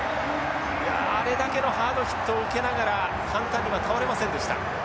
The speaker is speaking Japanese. あれだけのハードヒットを受けながら簡単には倒れませんでした。